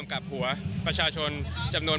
ท่านบุคคลาสมัคร